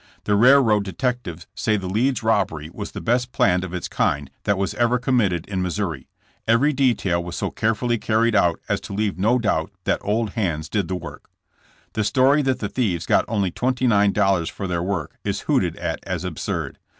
The railroad detectives say the Leeds robbery was the best planned of its kind that was ever committed in Missouri. Every detail was so carefully carried out as to leave no doubt that old hands did the work. The story that the thieves got only twenty nine dollars for their work is hooted at as absurd.